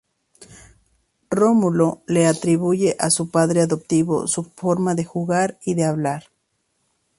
Rómulo le atribuye a su padre adoptivo su forma de jugar y de hablar.